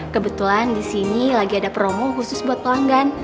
kebetulan disini lagi ada promo khusus buat pelanggan